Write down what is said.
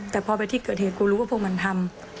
แต่พอไปที่เกิดเหตุกูรู้ว่าพวกมันทำ